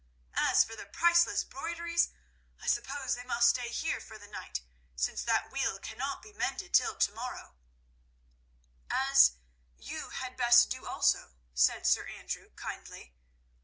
As for the priceless broideries, I suppose they must stay here for the night, since that wheel cannot be mended till to morrow—" "As you had best do also," said Sir Andrew kindly.